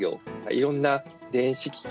いろんな電子機器。